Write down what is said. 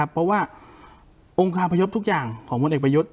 เพราะว่าองค์คาพยพทุกอย่างของพลเอกประยุทธ์